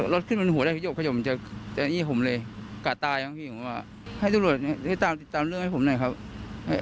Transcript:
รถขึ้นเป็นหัวได้ก็ยกขยมจากอี๋ผมเลยกะตายของพี่ผมว่าให้ตรวจติดตามเรื่องให้ผมหน่อยครับ